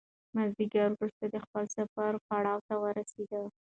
مازیګر د خپل سفر وروستي پړاو ته ورسېد.